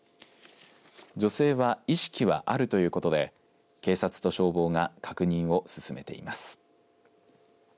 女性は意識はあるということで警察と消防が確認を進めています。